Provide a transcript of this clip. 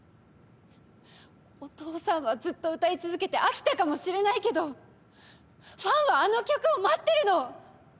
お父さんはずっと歌い続けて飽きたかもしれないけどファンはあの曲を待ってるの。